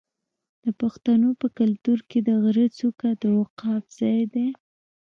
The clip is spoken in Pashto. د پښتنو په کلتور کې د غره څوکه د عقاب ځای دی.